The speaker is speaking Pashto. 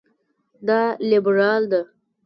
دا لېبرال ده.